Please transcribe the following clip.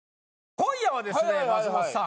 今夜はですね松本さん。